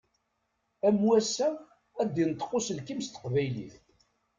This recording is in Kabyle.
Am wassa ad d-inṭeq uselkim s teqbaylit.